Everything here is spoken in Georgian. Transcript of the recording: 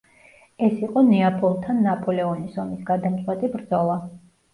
ეს იყო ნეაპოლთან ნაპოლეონის ომის გადამწყვეტი ბრძოლა.